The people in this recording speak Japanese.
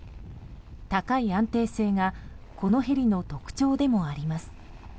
高い安定性がこのヘリの特徴でもあります。